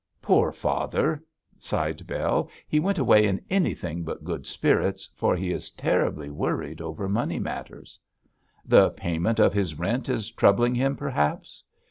Poor father!' sighed Bell, 'he went away in anything but good spirits, for he is terribly worried over money matters.' 'The payment of his rent is troubling him, perhaps!'